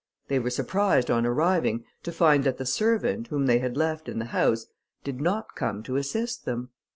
They were surprised, on arriving, to find that the servant, whom they had left in the house, did not come to assist them.